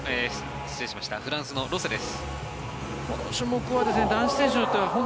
フランスのロセです。